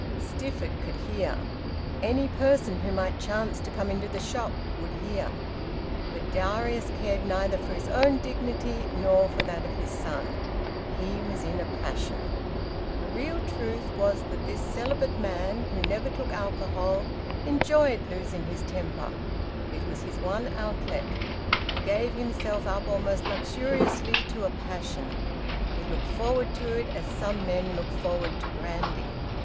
Stifford could hear. Any person who might chance to come into the shop would hear. But Darius cared neither for his own dignity nor for that of his son. He was in a passion. The real truth was that this celibate man, who never took alcohol, enjoyed losing his temper; it was his one outlet; he gave himself up almost luxuriously to a passion; he looked forward to it as some men look forward to brandy.